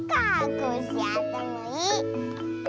コッシーあったまいい！